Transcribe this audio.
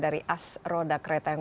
perkeong maksud saya